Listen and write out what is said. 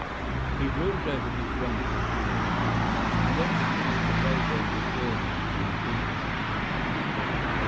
He brooded over his wrongs for a few minutes, and then proceeded to lay them before me in detail.